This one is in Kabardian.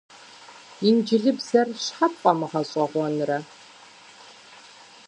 Инджылызыбзэр щхьэ пфӀэмыгъэщӀэгъуэнрэ?